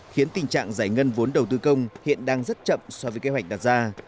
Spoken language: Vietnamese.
khiến tình trạng giải ngân vốn đầu tư công hiện đang rất chậm so với kế hoạch đặt ra